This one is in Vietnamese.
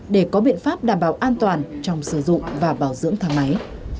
để có biện pháp đảm bảo an toàn trong sử dụng và bảo dưỡng thang máy